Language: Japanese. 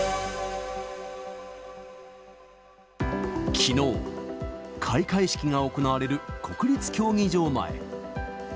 きのう、開会式が行われる国立競技場前。